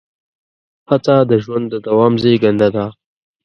هڅه د ژوند د دوام زېږنده ده.